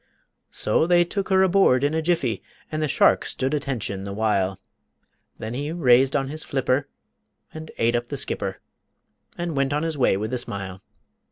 So they took her aboard in a jiffy, And the shark stood attention the while, Then he raised on his flipper and ate up the skipper And went on his way with a smile.